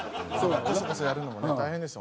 コソコソやるのもね大変ですよ